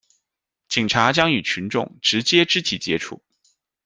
警察将与群众直接肢体接触